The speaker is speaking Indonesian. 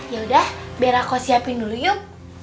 yaudah bera kau siapin dulu yuk